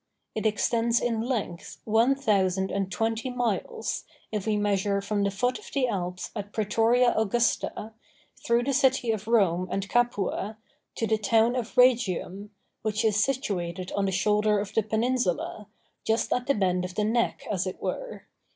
It extends in length one thousand and twenty miles, if we measure from the foot of the Alps at Prætoria Augusta, through the city of Rome and Capua to the town of Rhegium, which is situated on the shoulder of the Peninsula, just at the bend of the neck as it were.